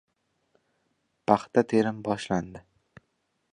Paxta terim boshlandi.